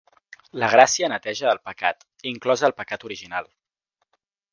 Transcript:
La gràcia neteja el pecat, inclòs el pecat original.